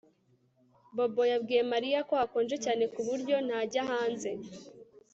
Bobo yabwiye Mariya ko hakonje cyane ku buryo ntajya hanze